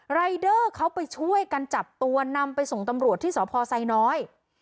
รายเดอร์เขาไปช่วยกันจับตัวนำไปส่งตำรวจที่สพไซน้อย